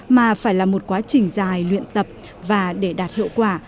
mà phải là một quá trình dài luyện tập và để đạt hiệu quả